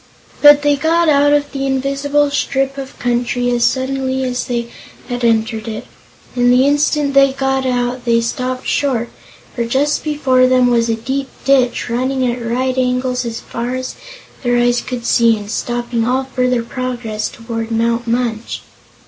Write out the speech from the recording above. But they got out of the invisible strip of country as suddenly as they had entered it, and the instant they got out they stopped short, for just before them was a deep ditch, running at right angles as far as their eyes could see and stopping all further progress toward Mount Munch.